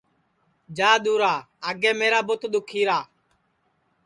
جا دؔورا آگے میرا بُوت دُؔکھیرا